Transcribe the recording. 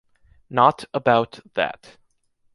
Not about that.